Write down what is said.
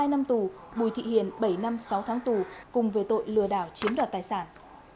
một mươi năm tù bùi thị hiền bảy năm sáu tháng tù cùng về tội lừa đảo chiếm đoạt tài sản